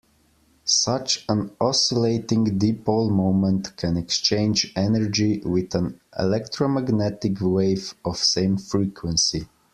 Such an oscillating dipole moment can exchange energy with an electromagnetic wave of same frequency.